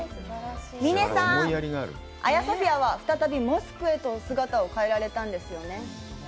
みねさん、アヤソフィアは再びモスクへと姿を変えられたんですよね。